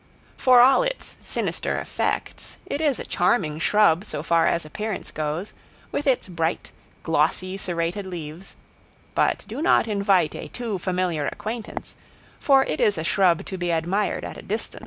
For all its sinister effects, it is a charming shrub so far as appearance goes, with its bright, glossy serrated leaves; but do not invite a too familiar acquaintance, for it is a shrub to be admired at a distance.